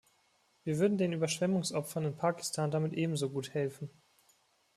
Wir würden den Überschwemmungsopfern in Pakistan damit ebenso gut helfen.